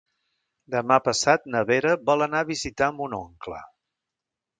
Demà passat na Vera vol anar a visitar mon oncle.